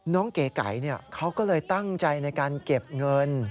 เก๋ไก่เขาก็เลยตั้งใจในการเก็บเงิน